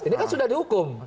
ini kan sudah dihukum